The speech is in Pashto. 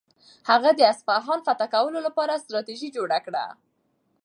هغه د اصفهان فتح کولو لپاره ستراتیژي جوړه کړه.